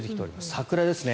桜ですね。